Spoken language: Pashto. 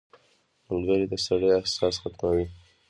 • ملګری د ستړیا احساس ختموي.